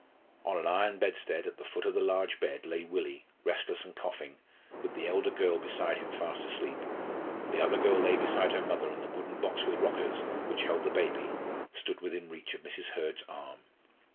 On an iron bedstead, at the foot of the large bed, lay Willie, restless and coughing, with the elder girl beside him fast asleep; the other girl lay beside her mother, and the wooden box with rockers, which held the baby, stood within reach of Mrs. Hurd's arm.